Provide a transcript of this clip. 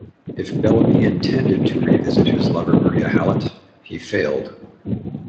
If Bellamy intended to revisit his lover Maria Hallett, he failed.